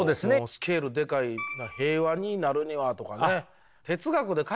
スケールでかい平和になるにはとかね。